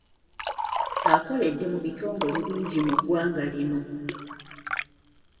Akoledde mu bitongole bingi mu ggwanga lino.